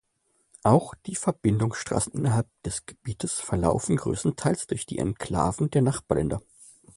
Auch die Verbindungsstraßen innerhalb des Gebietes verlaufen größtenteils durch die Enklaven der Nachbarländer.